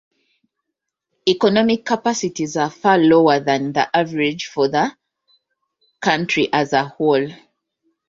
Economic capacities are far lower than the average for the country as a whole.